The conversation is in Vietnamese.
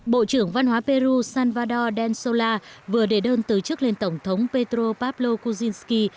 bộ trưởng văn hóa peru salvador denzola vừa để đơn tử chức lên tổng thống petro pablo kuczynski